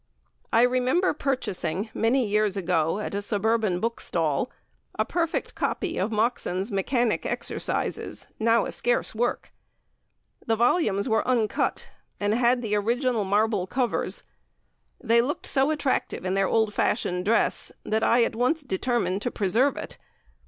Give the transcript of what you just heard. I remember purchasing many years ago at a suburban book stall, a perfect copy of Moxon's Mechanic Exercises, now a scarce work. The volumes were uncut, and had the original marble covers. They looked so attractive in their old fashioned dress, that I at once determined to preserve it.